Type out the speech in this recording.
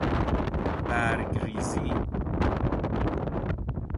برگ ریزی